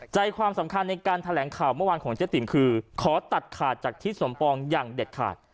ใจความสำคัญในการแถลงข่าวเมื่อวานของเจ๊ติ๋มคือขอตัดขาดจากทิศสมปองอย่างเด็ดขาด